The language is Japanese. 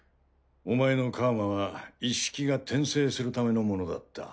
お前の楔はイッシキが転生するためのものだった。